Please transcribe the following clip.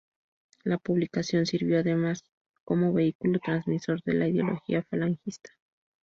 La publicación sirvió además como vehículo transmisor de la ideología falangista.